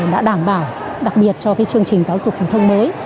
đã đảm bảo đặc biệt cho chương trình giáo dục phổ thông mới